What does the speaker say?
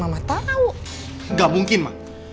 tapi waktu itu kita belum kenal